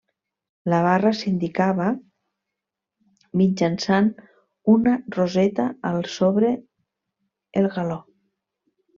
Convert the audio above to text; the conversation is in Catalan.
La barra s'indicava mitjançant una roseta al sobre el galó.